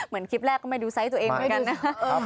เหมือนคลิปแรกก็ไม่ดูไซส์ตัวเองเหมือนกัน